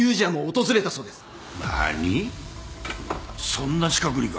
そんな近くにか？